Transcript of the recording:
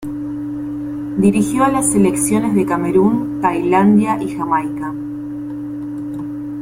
Dirigió a las selecciones de Camerún, Tailandia y Jamaica.